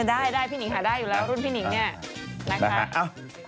ได้พี่หนิ้งหาได้อยู่แล้วรุ่นพี่หนิ้ง